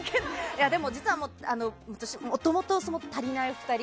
でも実は私、もともと「たりないふたり」